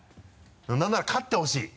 なんなら勝ってほしい。